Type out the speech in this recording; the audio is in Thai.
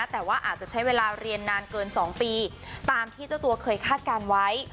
แต่ว่าอาจจะใช้เวลาเรียนนานเกิน๒ปีตามที่เจ้าตัวเคยคาดการณ์ไว้